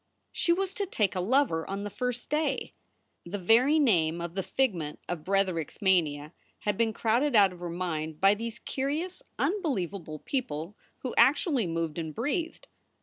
She was to take a lover on the first day ! The very name of the figment of Bretherick s mania had been crowded out of her mind by these curious, unbelievable people who actually moved and breathed.